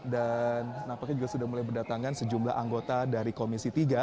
dan nampaknya juga sudah mulai berdatangan sejumlah anggota dari komisi tiga